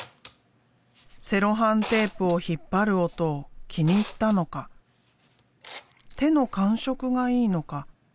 セロハンテープを引っ張る音を気に入ったのか手の感触がいいのか？